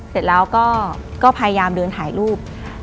เสร็จแล้วก็พยายามเดินถ่ายรูป